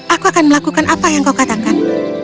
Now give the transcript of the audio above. aku akan melakukan apa yang kau katakan